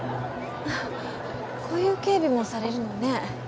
こういう警備もされるのね。